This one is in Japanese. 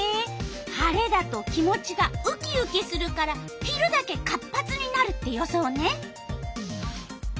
晴れだと気持ちがウキウキするから昼だけ活発になるって予想ね。